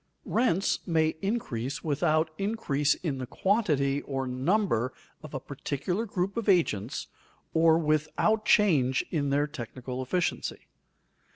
_ Rents may increase without increase in the quantity or number of a particular group of agents or without change in their technical efficiency.